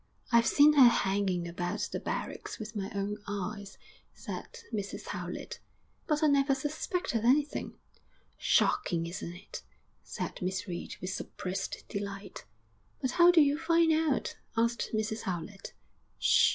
'I've seen her hanging about the barracks with my own eyes,' said Mrs Howlett, 'but I never suspected anything.' 'Shocking! isn't it?' said Miss Reed, with suppressed delight. 'But how did you find out?' asked Mrs Howlett. 'Ssh!'